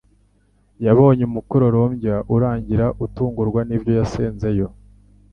Yabonye umukororombya urangira atungurwa nibyo yasanzeyo.